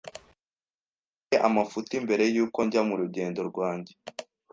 Nkeneye amafuti mbere yuko njya murugendo rwanjye.